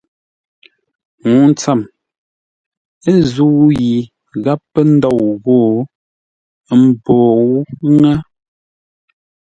Ŋuu tsəm, ə́ zə̂u yi gháp pə́ ndôu ghô; ə́ mbǒu ŋə́.